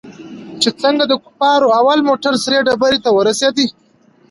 چې څنگه د کفارو اول موټر سرې ډبرې ته ورسېد.